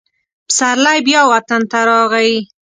پسرلی بیا وطن ته راغی.